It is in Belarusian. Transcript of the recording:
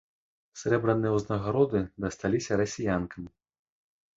Срэбраныя ўзнагароды дасталіся расіянкам.